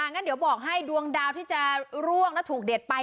งั้นเดี๋ยวบอกให้ดวงดาวที่จะร่วงแล้วถูกเด็ดไป